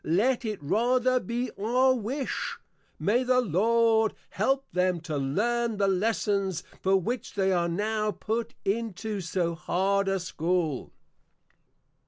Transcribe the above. Let it rather be our Wish, May the Lord help them to Learn the Lessons, for which they are now put unto so hard a School.